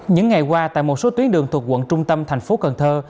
những ngày qua tại một số tuyến đường thuộc quận trung tâm thành phố cần thơ